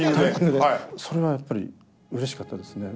それはやっぱりうれしかったですね。